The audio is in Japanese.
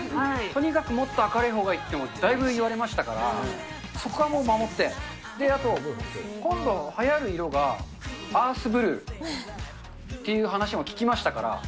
とにかくもっと明るいほうがいいって、だいぶ言われましたから、そこはもう守って、あと、今度はやる色がアースブルーっていう話を聞きましたから。